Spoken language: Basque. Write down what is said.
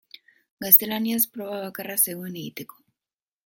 Gaztelaniaz proba bakarra zegoen egiteko.